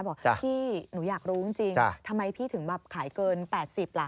บอกพี่หนูอยากรู้จริงทำไมพี่ถึงแบบขายเกิน๘๐ล่ะ